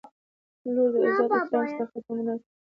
• لور د عزت، احترام او صداقت نمونه ده.